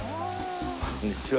こんにちは。